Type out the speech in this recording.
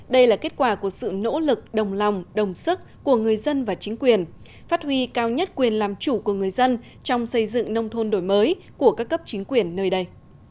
đây là kết quả của sự nỗ lực đồng lòng đồng sức của người dân và chính quyền phát huy cao nhất quyền làm chủ của người dân trong xây dựng nông thôn đổi mới của các cấp chính quyền nơi đây